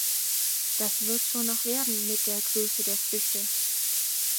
Das wird schon noch werden mit der Größe der Früchte.